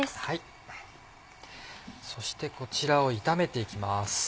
そしてこちらを炒めて行きます。